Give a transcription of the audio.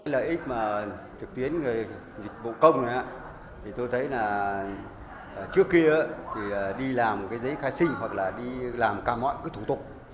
lợi ích trực tuyến dịch vụ công tôi thấy trước kia đi làm giấy khai sinh hoặc là đi làm các mọi thủ tục